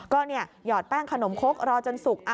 ก็หยอดแป้งขนมคกรอจนสุก